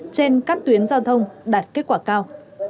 trên các tuyến giao thông đạt kết quả cao